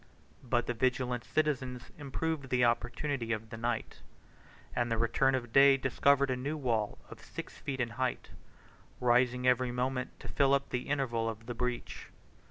But the vigilant citizens improved the opportunity of the night; and the return of day discovered a new wall of six feet in height, rising every moment to fill up the interval of the breach.